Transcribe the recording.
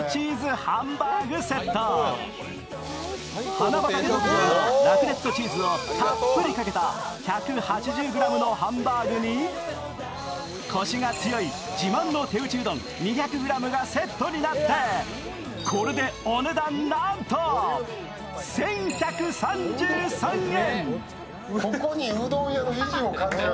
花畑牧場のラクレットチーズをたっぷりかけた１８０ｇのハンバーグに、コシが強い自慢の手打ちうどん２００ｇがセットになってこれでお値段なんと１１３３円。